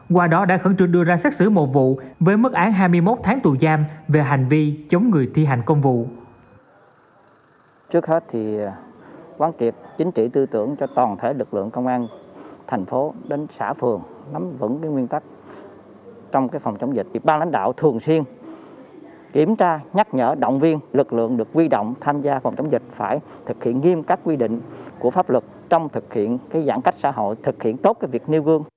qua đó đã khẩn trực đưa ra xác xử một vụ với mức án hai mươi một tháng tù giam về hành vi chống người thi hành công vụ